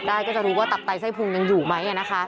ได้ว่าตายไส้พุวงอยู่มั้ยอ่ะนะคะ